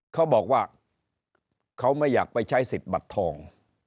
เขาบอกว่าเขาไม่อยากไปใช้สิทธิ์บัตรทอง